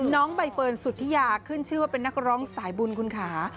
น้องใบเฟิร์นสุธิยาขึ้นชื่อว่าเป็นนักร้องสายบุญคุณค่ะ